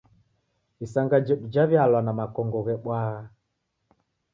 Isanga jedu jaw'ialwa na makongo ghebwagha.